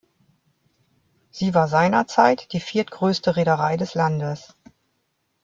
Sie war seinerzeit die viertgrößte Reederei des Landes.